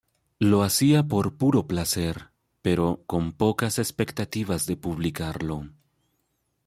Lo hacía por puro placer, pero con pocas expectativas de publicarlo.